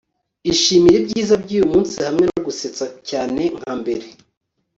ishimire ibyiza byuyu munsi hamwe no gusetsa cyane nka mbere